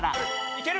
いける！